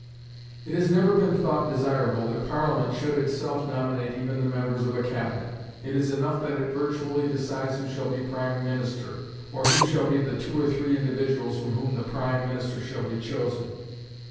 It has never been thought desirable that Parliament should itself nominate even the members of a cabinet. It is enough that it virtually decides who shall be prime minister, or who shall be the two or three individuals from whom the prime minister shall be chosen.